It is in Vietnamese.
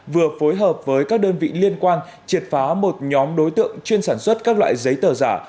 vừa phối hợp với các đơn vị liên quan triệt phá một nhóm đối tượng chuyên sản xuất các loại giấy tờ giả